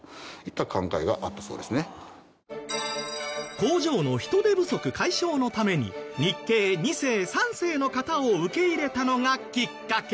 工場の人手不足解消のために日系二世三世の方を受け入れたのがきっかけ。